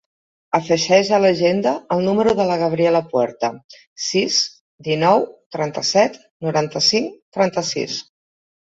Afegeix a l'agenda el número de la Gabriela Puerta: sis, dinou, trenta-set, noranta-cinc, trenta-sis.